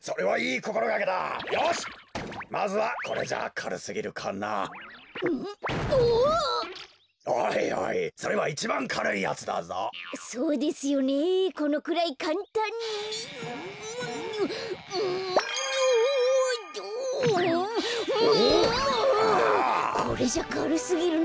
これじゃあかるすぎるな。